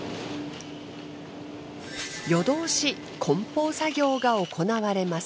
夜通し梱包作業が行われます。